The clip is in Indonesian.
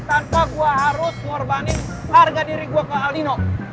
tanpa gue harus ngorbanin harga diri gue ke aldino